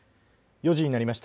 ４時になりました。